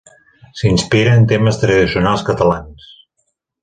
S'inspira en temes tradicionals catalans.